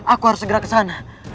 aku harus segera ke sana